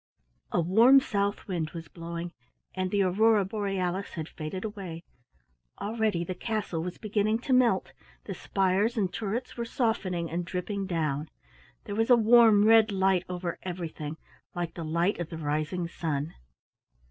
A warm south wind was blowing, and the aurora borealis had faded away. Already the castle was beginning to melt; the spires and turrets were softening and dripping down. There was a warm red light over everything, like the light of the rising sun.